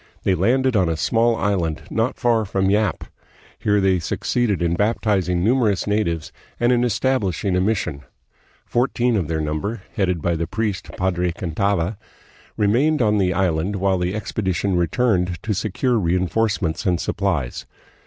They landed on a small island not far from Yap. Here they succeeded in baptizing numerous natives and A CENTURY OF OBSCURITY. 166S 176S. 225 in establishing a mission. Fourteen of their number, headed by the priest, Padre Cantava, remained on the island while the expedition returned to secure reenforce ments and supplies.